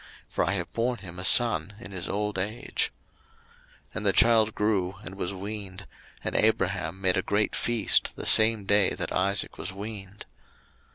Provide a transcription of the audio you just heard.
for I have born him a son in his old age. 01:021:008 And the child grew, and was weaned: and Abraham made a great feast the same day that Isaac was weaned.